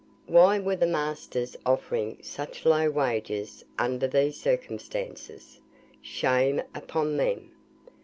Why were the masters offering such low wages under these circumstances? Shame upon them!